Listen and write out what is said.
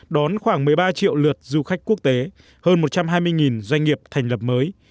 đón khoảng một mươi ba triệu lượt du khách quốc tế hơn một trăm hai mươi doanh nghiệp thành lập mới